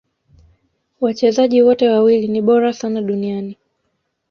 Wachezaji wote wawili ni bora sana duniani